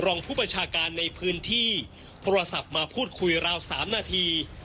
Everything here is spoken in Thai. รองผู้ประชาการในพื้นที่โทรศัพท์มาพูดคุยราว๓นาที